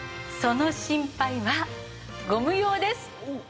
その心配はご無用です！